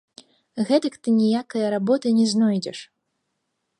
Гэтак ты ніякае работы не знойдзеш.